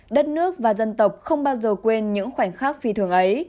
đất nước và dân tộc không bao giờ quên những khoảnh khắc phi thường ấy